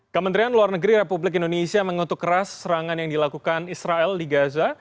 kementerian luar negeri republik indonesia mengutuk keras serangan yang dilakukan israel di gaza